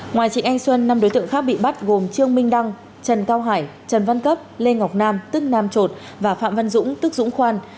ngoài trịnh anh xuân năm đối tượng khác bị bắt gồm trương minh đăng trần cao hải trần văn cấp lê ngọc nam tức nam trột và phạm văn dũng tức dũng khoan